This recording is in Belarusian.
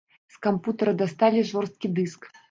З кампутара дасталі жорсткі дыск.